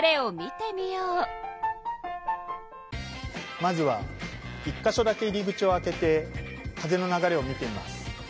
まずは１か所だけ入り口を開けて風の流れを見てみます。